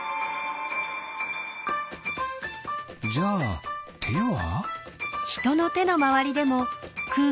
じゃあては？